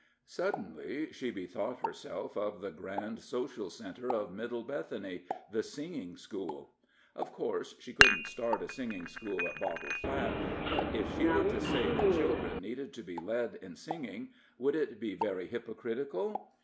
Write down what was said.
Suddenly she bethought herself, of the grand social centre of Middle Bethany the singing school. Of course, she couldn't start a singing school at Bottle Flat, but if she were to say the children needed to be led in singing, would it be very hypocritical?